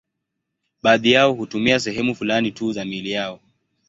Baadhi yao hutumia sehemu fulani tu za miili yao.